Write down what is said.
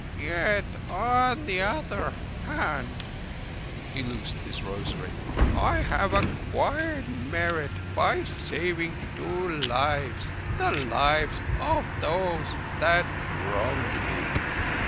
Yet on the other hand"—he loosed his rosary—"I have acquired merit by saving two lives—the lives of those that wronged me.